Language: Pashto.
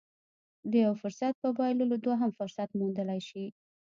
د يوه فرصت په بايللو دوهم فرصت موندلی شي.